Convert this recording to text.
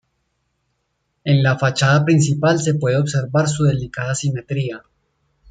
En la fachada principal se puede observar su delicada simetría.